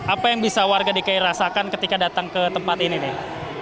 apa yang bisa warga dki rasakan ketika datang ke tempat ini nih